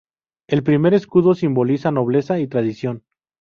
El primer escudo simbolizaba nobleza y tradición.